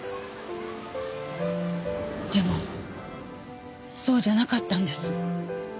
でもそうじゃなかったんです。